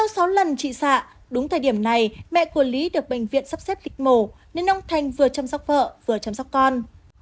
sau sáu lần chị xạ đúng thời điểm này mẹ của lý được bệnh viện sắp xếp lịch mổ nên ông thành vừa chăm sóc vợ vừa chăm sóc con